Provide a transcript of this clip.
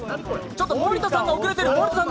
ちょっと森田さんが出遅れている。